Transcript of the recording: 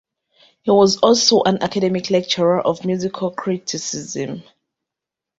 He was also an academic lecturer of musical criticism.